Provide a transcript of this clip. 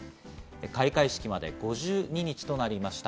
開会式まで５２日となりました。